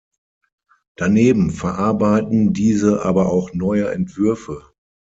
Daneben verarbeiten diese aber auch neue Entwürfe.